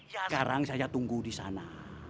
sekarang saya tunggu di sana